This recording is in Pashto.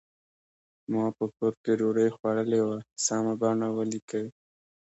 ما په کور کې ډوډۍ خوړلې وه سمه بڼه ولیکئ.